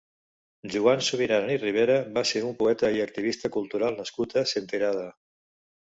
Joan Subirana i Ribera va ser un poeta i activista cultural nascut a Senterada.